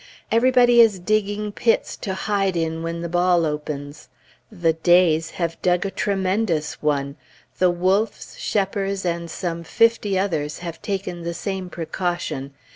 Everybody is digging pits to hide in when the ball opens. The Days have dug a tremendous one; the Wolffs, Sheppers, and some fifty others have taken the same precaution.